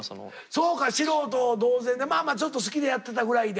そうか素人同然でまあまあちょっと好きでやってたぐらいで。